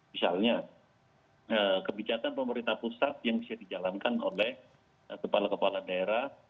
misalnya kebijakan pemerintah pusat yang bisa dijalankan oleh kepala kepala daerah